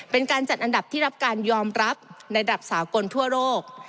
เป็นการจัดอันดับที่รับการยอมรับในระดับสากลทั่วโลก